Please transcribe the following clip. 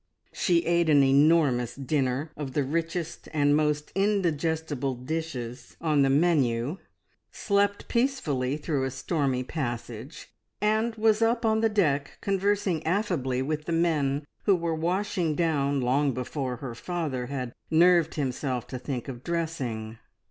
She ate an enormous dinner of the richest and most indigestible dishes on the menu, slept peacefully through a stormy passage, and was up on deck conversing affably with the men who were washing down, long before her father had nerved himself to think of dressing.